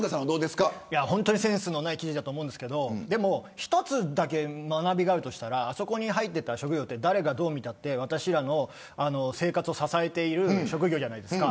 センスのない記事だと思うんですけど１つだけ学びがあるとしたらあそこに入っていた職業って誰がどう見ても私たちの生活を支えている職業じゃないですか。